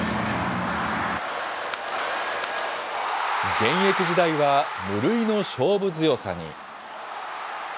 現役時代は無類の勝負強さに。